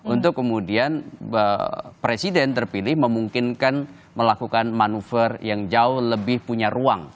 untuk kemudian presiden terpilih memungkinkan melakukan manuver yang jauh lebih punya ruang